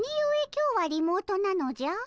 今日はリモートなのじゃ？